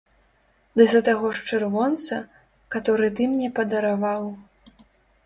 Ды за таго ж чырвонца, каторы ты мне падараваў!